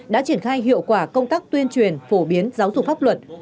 đã triển khai hiệu quả công tác tuyên truyền phổ biến giáo dục pháp luật